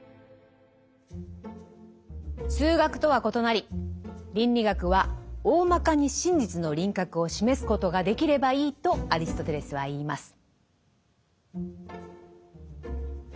数学とは異なり倫理学は「おおまかに真実の輪郭を示すことができればいい」とアリストテレスは言います。